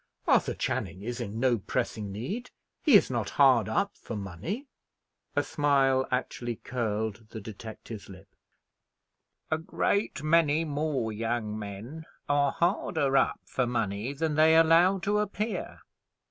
"Arthur Channing is in no pressing need. He is not hard up for money." A smile actually curled the detective's lip. "A great many more young men are harder up for money than they allow to appear.